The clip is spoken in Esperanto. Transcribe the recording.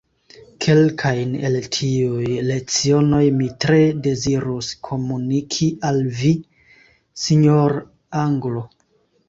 Kelkajn el tiuj lecionoj mi tre dezirus komuniki al vi, sinjor’ anglo.